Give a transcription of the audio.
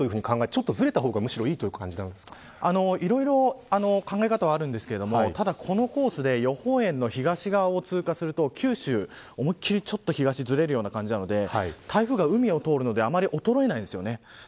ちょっとずれた方がいろいろ考え方はあるんですがただこのコースで予報円の東側を通過すると九州、思いっきり東側にずれるような感じなので台風が海を通るのであまり衰えないんです。